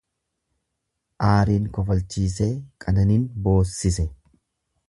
Aariin kofalchisee, qananin boossise.